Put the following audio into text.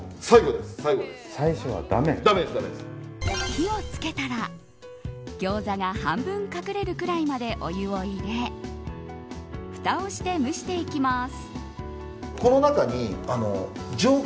火を付けたら、ギョーザが半分隠れるくらいまでお湯を入れふたをして蒸していきます。